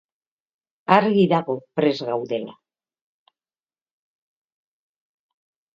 Argi dago prest gaudela.